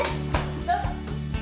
どうぞ。